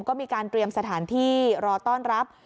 ก็มีการเตรียมสถานที่รอต้อนรับ